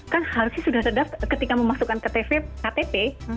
kan harusnya sudah sedap ketika memasukkan ktp